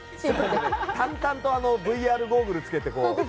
淡々とＶＲゴーグルつけて。